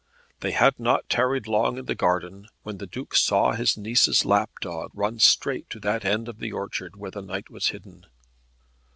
They had not tarried long in the garden, when the Duke saw his niece's lapdog run straight to that end of the orchard where the knight was hidden.